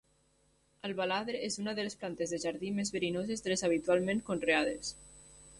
El baladre és una de les plantes de jardí més verinoses de les habitualment conreades.